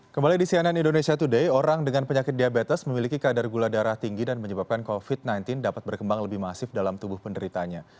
kembali di cnn indonesia today orang dengan penyakit diabetes memiliki kadar gula darah tinggi dan menyebabkan covid sembilan belas dapat berkembang lebih masif dalam tubuh penderitanya